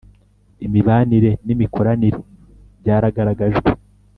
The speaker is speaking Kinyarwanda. imibanire n imikoranire byaragaragajwe